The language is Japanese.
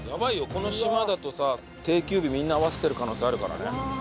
この島だとさ定休日みんな合わせてる可能性あるからね。